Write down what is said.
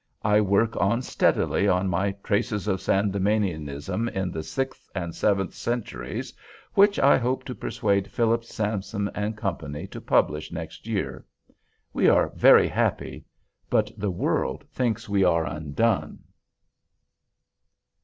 I work on steadily on my Traces of Sandemanianism in the Sixth and Seventh Centuries, which I hope to persuade Phillips, Sampson & Co. to publish next year. We are very happy, but the world thinks we are undone.